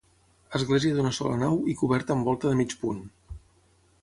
Església d'una sola nau i coberta amb volta de mig punt.